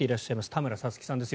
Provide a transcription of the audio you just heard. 田村さつきさんです。